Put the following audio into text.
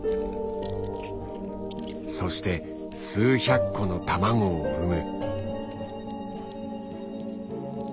そして数百個の卵を産む。